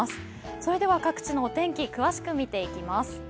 それでは各地のお天気詳しく見ていきます。